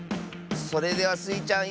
それではスイちゃん